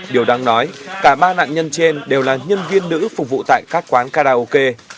điều đáng nói cả ba nạn nhân trên đều là nhân viên nữ phục vụ tại các quán karaoke